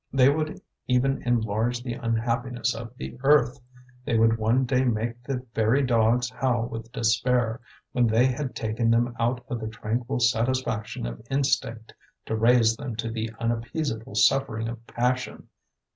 They would even enlarge the unhappiness of the earth; they would one day make the very dogs howl with despair when they had taken them out of the tranquil satisfaction of instinct, to raise them to the unappeasable suffering of passion.